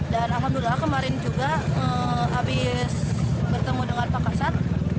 dan alhamdulillah kemarin juga habis bertemu dengan pak kasat